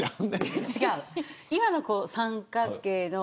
今の子、三角形の。